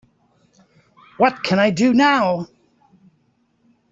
what can I do now?